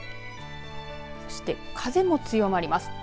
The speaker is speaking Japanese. そして、風も強まります。